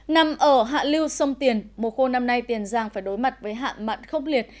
nằm ở hạ lưu sông tiền mùa khô năm nay tiền giang phải đối mặt với hạ mặn khốc liệt